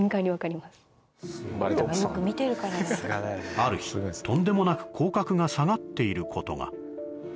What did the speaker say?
ある日、とんでもなく口角が下がっていることが。